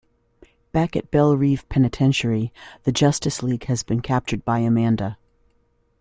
Back at Belle Reve Penitentiary, the Justice League has been captured by Amanda.